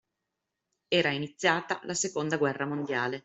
Era iniziata la seconda guerra mondiale.